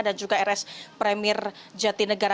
dan juga rs premier jatinegara